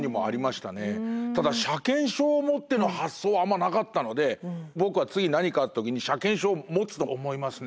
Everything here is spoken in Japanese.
ただ車検証を持っての発想はあんまなかったので僕は次何かあった時に車検証を持つと思いますね。